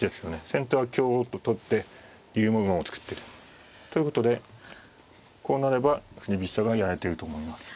先手は香を取って竜も馬を作ってと。ということでこうなれば振り飛車がやれてると思います。